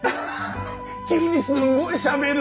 急にすごいしゃべる！